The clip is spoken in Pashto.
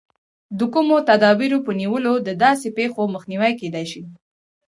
د کومو تدابیرو په نیولو د داسې پېښو مخنیوی کېدای شي.